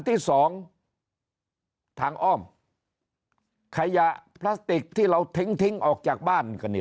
ที่สองทางอ้อมขยะพลาสติกที่เราทิ้งทิ้งออกจากบ้านกันนี่